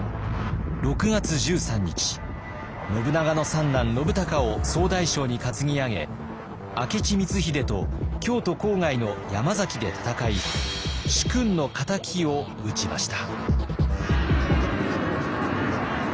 信長の三男信孝を総大将に担ぎ上げ明智光秀と京都郊外の山崎で戦い主君の敵を討ちました。